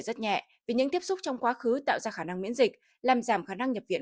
rất nhẹ vì những tiếp xúc trong quá khứ tạo ra khả năng miễn dịch làm giảm khả năng nhập viện